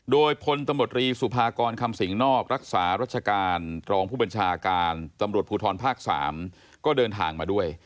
โดยพลตำรวจรีสุภากรคำสิงนอกรักษารัชการรองผู้บัญชาการตำรวจภูทรภาค๓ก็เดินทางมาด้วย